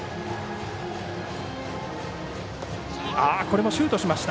これもシュートしました。